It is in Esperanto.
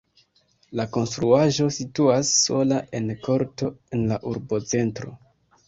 La konstruaĵo situas sola en korto en la urbocentro.